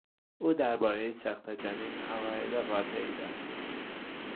او دربارهی سقط جنین عقاید قاطعی دارد.